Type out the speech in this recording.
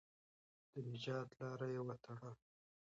د نجات لاره یې وتړله.